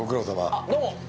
あっどうも。